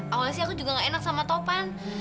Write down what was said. awalnya sih aku juga gak enak sama topan